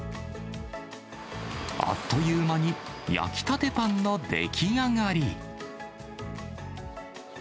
あっという間に焼きたてパンの出来上がり。